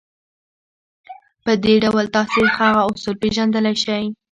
په دې ډول تاسې هغه اصول پېژندلای شئ.